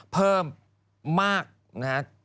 เพิ่มมากนะครับ